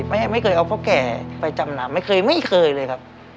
ไม่เคยเอาพ่อแก่ไปจำนำไม่เคยไม่เคยเลยครับ